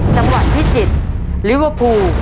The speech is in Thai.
จังหวัดพิจิตรลิเวอร์พูล